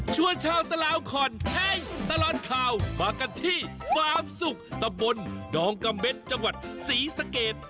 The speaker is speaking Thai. ช่วงเช้าตลาดข่อนแห้งตลอดคาวมากันที่ฟาร์มสุกตะบนดองกำเบ็ดจังหวัดสีสเกจ